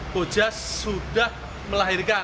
koja sudah melahirkan